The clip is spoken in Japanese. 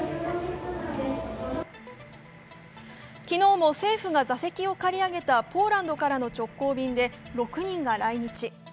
昨日も政府が座席を借り上げたポーランドからの直行便で６人が来日。